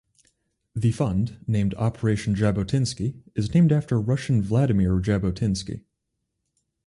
The fund, named "Operation Jabotinsky", is named after Russian Vladimir Jabotinsky.